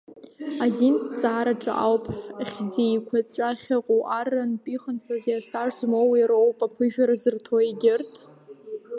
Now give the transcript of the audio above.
Азинҭҵаараҿы ауп, хьӡеиқәаҵәа ахьыҟоу, аррантә ихынҳәызи астаж змоуи роуп аԥыжәара зырҭо, егьырҭ?